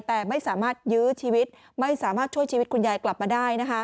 แต่ไม่สามารถยื้อชีวิตไม่สามารถช่วยชีวิตคุณยายกลับมาได้